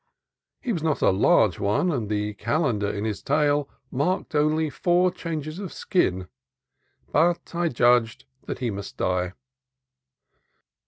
He was not a large one, and the calendar in his tail marked only four changes of skin; but I judged that he must die.